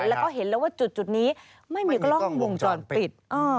แล้วก็เห็นแล้วว่าจุดนี้ไม่มีกล้องวงจรปิด